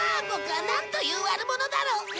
ボクはなんという悪者だろう！